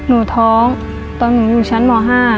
หนูท้องตอนหนูอยู่ชั้นม๕